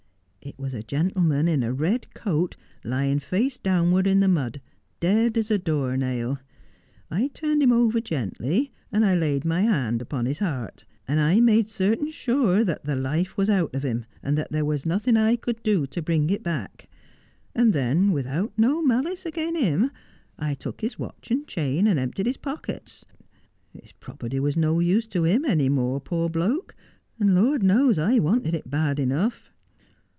It was a gentle man in a red coat, lying face downward in the mud, dead as a door nail. I turned him over gently. And I laid my hand upon his heart, and I made certain sure that the life was out of him, and that there was nothing I could do to bring it back. And then, without no malice again him, I took his watch and chain, and emptied his pockets. His property was no use to him any more, poor bloke : and Lord knows I wanted it bad enough.'